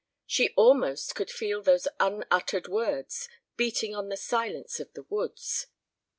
She almost could feel those unuttered words beating on the silence of the woods.